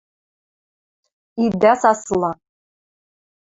Идӓ саслы!..